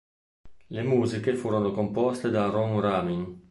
Le musiche furono composte da Ron Ramin.